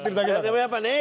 でもやっぱね